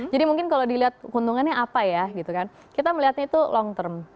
jadi mungkin kalau dilihat keuntungannya apa ya kita melihatnya itu long term